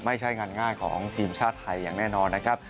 ไม่ใช่งานง่ายของทีมชาติไทยอย่างแน่นอนนะครับ